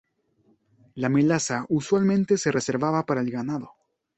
La melaza usualmente se reservaba para el ganado.